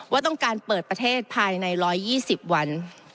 ว่าต้องการเปิดประเทศภายใน๑๒๐วัน